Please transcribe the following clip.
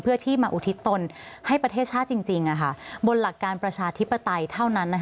เพื่อที่มาอุทิศตนให้ประเทศชาติจริงบนหลักการประชาธิปไตยเท่านั้น